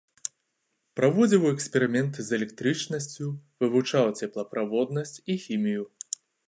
Праводзіў эксперыменты з электрычнасцю, вывучаў цеплаправоднасць і хімію.